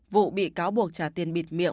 vụ bị cáo buộc trả tiền bịt miệng